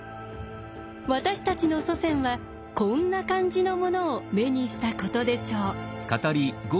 私たちの祖先はこんな感じのものを目にしたことでしょう。